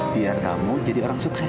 biar kamu jadi orang sukses